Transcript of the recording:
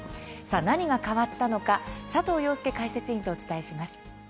何が変わったのか佐藤庸介解説委員とお伝えします。